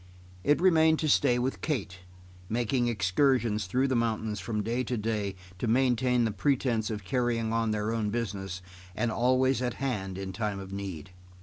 It remained to stay with Kate, making excursions through the mountains from day to day to maintain the pretence of carrying on their own business, and always at hand in time of need.